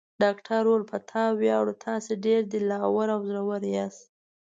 ډاکټر وویل: په تا ویاړو، تاسي ډېر دل اور او زړور یاست.